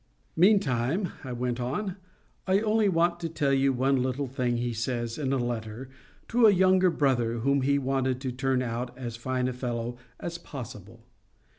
"Meantime," I went on, "I only want to tell you one little thing he says in a letter to a younger brother whom he wanted to turn out as fine a fellow as possible.